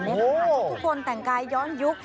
ทุกคนแต่งกายย้อนยุค